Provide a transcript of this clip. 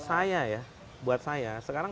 saya ya buat saya sekarang